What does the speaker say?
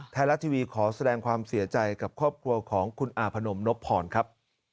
ไทยรัฐทีวีขอแสดงความเสียใจกับครอบครัวของคุณอาพนมนพพรครับ